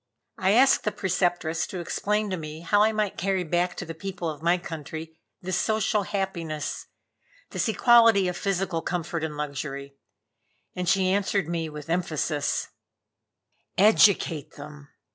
I asked the Preceptress to explain to me how I might carry back to the people of my country this social happiness, this equality of physical comfort and luxury; and she answered me with emphasis: "Educate them.